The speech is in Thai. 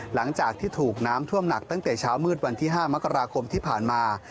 หลังจากที่ถูกน้ำท่วมหนักตั้งแต่เช้ามืดวันที่๕มกราคมที่ผ่านมา